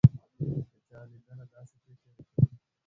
که چا لېدله داسې فکر يې کوو.